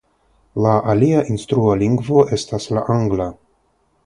La alia instrua lingvo estas la angla.